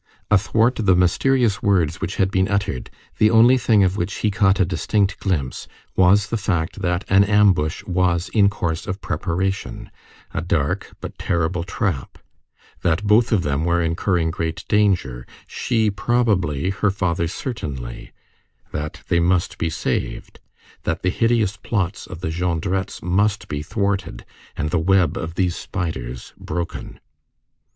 Athwart the mysterious words which had been uttered, the only thing of which he caught a distinct glimpse was the fact that an ambush was in course of preparation, a dark but terrible trap; that both of them were incurring great danger, she probably, her father certainly; that they must be saved; that the hideous plots of the Jondrettes must be thwarted, and the web of these spiders broken.